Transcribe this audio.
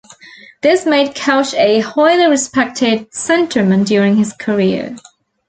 This made Couch a highly-respected centreman during his career.